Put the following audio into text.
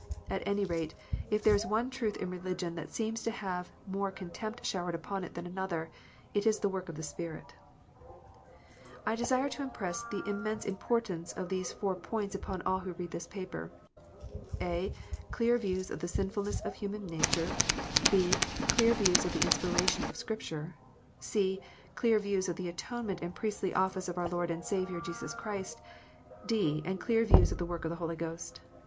At any rate, if there is one truth in religion that seems to have more contempt showered upon it than another, it is the work of the Spirit. I desire to impress the immense importance of these four points upon all who read this paper : (a) clear views of the sin fulness of human nature ; (b) clear views of the inspiration of Scripture ; (c) clear views of the Atonement and Priestly office of our Lord and Saviour Jesus Christ ; (d) and clear views of the work of the Holy Ghost.